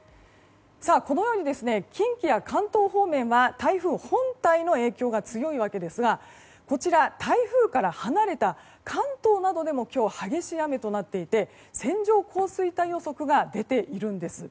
このように近畿や関東方面は台風本体の影響が強いわけですが台風から離れた関東などでも今日、激しい雨となっていて線状降水帯予測が出ているんです。